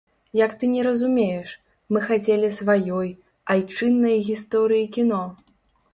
Як ты не разумееш, мы хацелі сваёй, айчыннай гісторыі кіно!